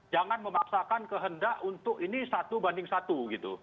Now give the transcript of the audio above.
jangan memaksakan kehendak untuk ini satu banding satu gitu